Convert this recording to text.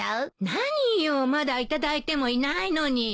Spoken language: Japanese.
何よまだ頂いてもいないのに。